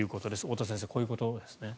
太田先生、こういうことですね。